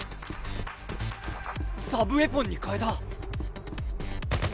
サブウェポンに替えた！